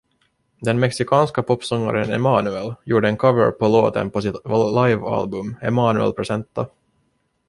Den mexikanska popsångaren Emmanuel gjorde en cover på låten på sitt livealbum, "Emmanuel Presenta..."